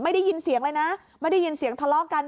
ได้ยินเสียงเลยนะไม่ได้ยินเสียงทะเลาะกัน